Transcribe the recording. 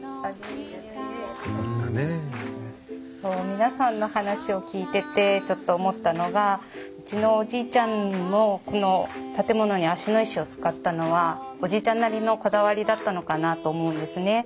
皆さんの話を聞いててちょっと思ったのがうちのおじいちゃんもこの建物に芦野石を使ったのはおじいちゃんなりのこだわりだったのかなと思うんですね。